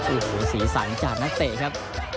โอ้โหสีสันจากนักเตะครับ